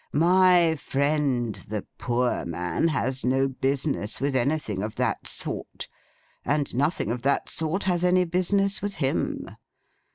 My friend the Poor Man, has no business with anything of that sort, and nothing of that sort has any business with him.